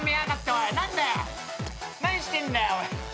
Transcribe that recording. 何してんだよおい。